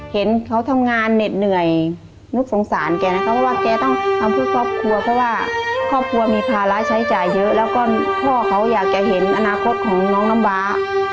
เห็นเขาทำงานเหน็ดเหนื่อยนึกสงสารแกนะคะเพราะว่าแกต้องทำเพื่อครอบครัวเพราะว่าครอบครัวมีภาระใช้จ่ายเยอะแล้วก็พ่อเขาอยากจะเห็นอนาคตของน้องน้ำฟ้า